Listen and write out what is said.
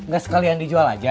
gak sekali yang dijual aja